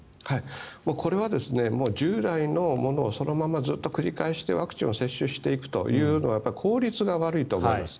これはもう従来のものをずっと繰り返して、ワクチンを接種していくというのは効率が悪いと思います。